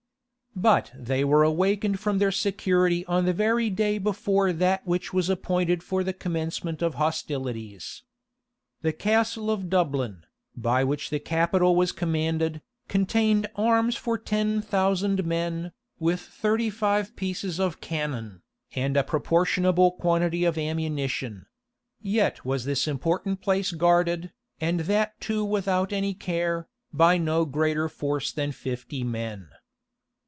But they were awakened from their security on the very day before that which was appointed for the commencement of hostilities. The Castle of Dublin, by which the capital was commanded, contained arms for ten thousand men, with thirty five pieces of cannon, and a proportionable quantity of ammunition; yet was this important place guarded, and that too without any care, by no greater force than fifty men.